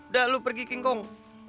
udah lo pergi king kong